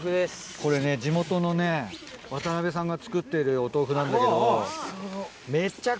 これね地元のね渡辺さんが作ってるお豆腐なんだけど。